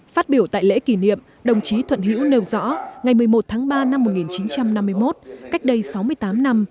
phát biểu tại lễ kỷ niệm đồng chí thuận hữu nêu rõ ngày một mươi một tháng ba năm một nghìn chín trăm năm mươi một cách đây sáu mươi tám năm